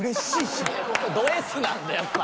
ドＳなんでやっぱ。